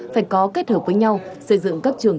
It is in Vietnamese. phải có kết hợp với nhau xây dựng các trường